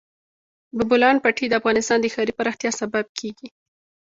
د بولان پټي د افغانستان د ښاري پراختیا سبب کېږي.